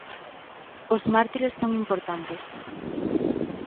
Os mártires son importantes.